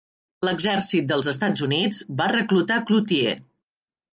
L'exèrcit dels Estats Units va reclutar Cloutier.